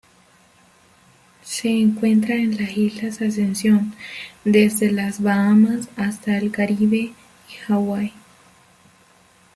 Se encuentra en la Isla Ascensión, desde las Bahamas hasta el Caribe y Hawái.